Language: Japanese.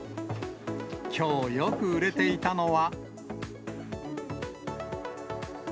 きょう、よく売れていたのは。